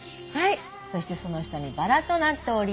そしてその下にバラとなっております。